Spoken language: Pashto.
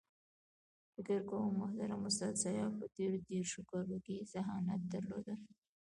فکر کوم محترم استاد سیاف په تېرو دېرشو کالو کې ذهانت درلود.